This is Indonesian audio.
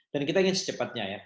dan kita ingin secepatnya ya